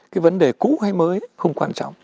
cái vấn đề cũ hay mới không quan trọng